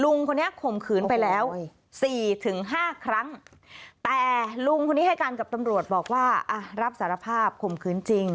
ลุงคนนี้ข่มขืนไปแล้วสี่ถึงห้าครั้งแต่ลุงคนนี้ให้การกับตำรวจบอกว่าอ่ะรับสารภาพข่มขืนจริง